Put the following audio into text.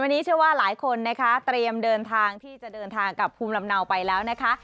วันนี้เชื่อว่าหลายคนนะคะเตรียมเดินทางที่จะเดินทางกับภูมิลำเนาไปแล้วนะคะ